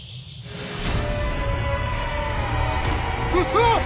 うわっ！